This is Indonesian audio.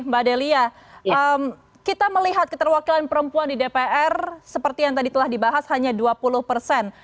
mbak delia kita melihat keterwakilan perempuan di dpr seperti yang tadi telah dibahas hanya dua puluh persen